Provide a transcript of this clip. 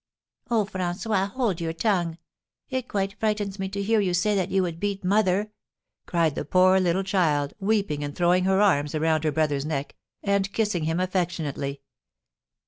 "Oh, François, hold your tongue; it quite frightens me to hear you say that you would beat mother!" cried the poor little child, weeping, and throwing her arms around her brother's neck, and kissing him affectionately.